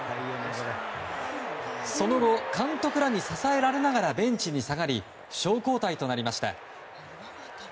その後、監督らに支えられながらベンチに下がり負傷交代となりました。